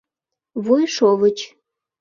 — Вуйшовыч!